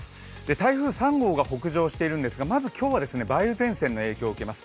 台風３号が北上しているんですが、まず今日は梅雨前線の影響を受けます。